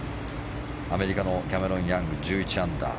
アメリカのキャメロン・ヤング１１アンダー。